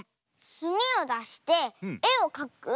すみをだしてえをかく？